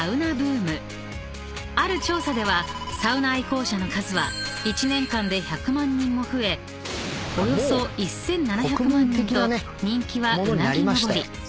［ある調査ではサウナ愛好者の数は１年間で１００万人も増えおよそ１，７００万人と人気はうなぎ上り］